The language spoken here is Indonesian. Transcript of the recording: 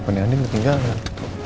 pernihanin tinggal gak